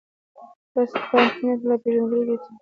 داسې یې ټانټه کړ، له پېژندګلوۍ یې ایستلی دی.